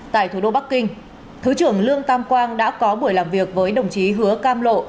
tại thủ đô bắc kinh thứ trưởng lương tam quang đã có buổi làm việc với đồng chí hứa cam lộ